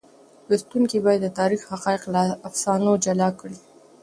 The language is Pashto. لوستونکي باید د تاریخ حقایق له افسانو جلا کړي.